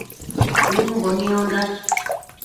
Umbo niondash